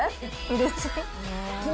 うれしい。